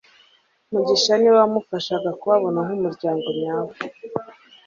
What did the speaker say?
Mugisha niwe wamufashaga kubabona nkumuryango nyawe,